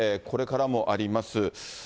これからもあります。